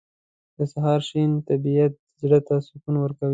• د سهار شین طبیعت زړه ته سکون ورکوي.